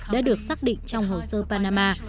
đã được xác định trong hồ sơ panama